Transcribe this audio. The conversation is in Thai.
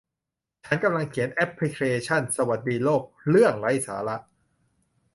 ฉันกำลังเขียนแอพพลิเคชั่น สวัสดีโลก เรื่องไร้สาระ